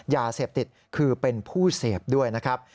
ยาเสพติดคือเป็นผู้เสพด้วยนะครับ